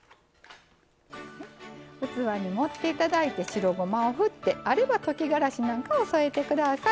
器に盛っていただいて白ごまを振ってあれば溶きがらしなんかを添えてください。